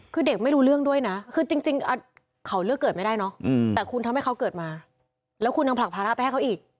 คือเด็กไม่รู้เรื่องด้วยนะคือจริงเขาเลือกเกิดไม่ได้เนอะแต่คุณทำให้เขาเกิดมาแล้วคุณยังผลักภาระไปให้เขาอีก